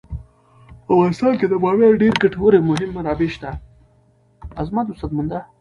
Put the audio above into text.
په افغانستان کې د بامیان ډیرې ګټورې او مهمې منابع شته.